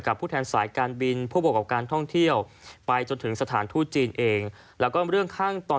กับผู้แทนสายการบินผู้บวกกับการท่องเที่ยวไปจนถึงสถานทู่จีนเอง